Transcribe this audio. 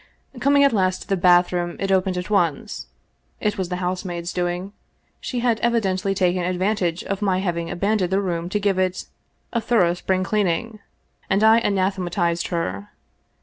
Coming at last to the bathroom, it opened at once. It was the housemaid's doing. She had evidently taken ad vantage of my having abandoned the room to give it " a thorough spring cleaning," and I anathematized her.